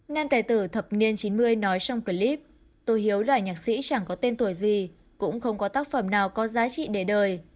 nam tài tử thập niên chín mươi nói trong clip tôi hiếu là nhạc sĩ chẳng có tên tuổi gì cũng không có tác phẩm nào có giá trị để đời